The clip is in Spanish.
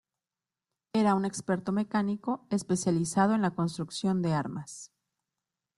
Era un experto mecánico especializado en la construcción de armas.